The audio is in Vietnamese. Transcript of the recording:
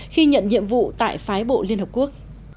khi nhận nhiệm vụ tại phái bộ liên hợp quốc